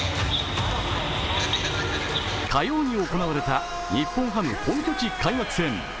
火曜に行われた日本ハム本拠地開幕戦。